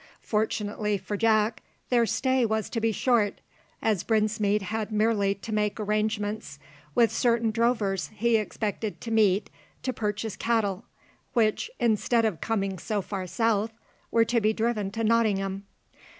Fortunately for Jack, their stay was to be short, as Brinsmead had merely to make arrangements with certain drovers he expected to meet to purchase cattle, which, instead of coming so far south, were to be driven to Nottingham.